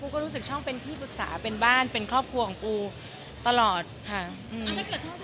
ก็รู้สึกช่องเป็นที่ปรึกษาเป็นบ้านเป็นครอบครัวของปูตลอดค่ะ